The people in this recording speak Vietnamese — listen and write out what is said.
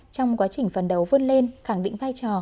trong quá trình phần đấu vươn lên khẳng định vai trò